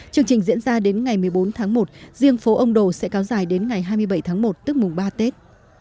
chương trình diễn ra đến ngày một mươi bốn tháng một riêng phố ông đồ sẽ cao dài đến ngày hai mươi bảy tháng một tức mùng ba tết